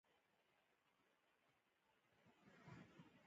ولې یې دا کار وکه؟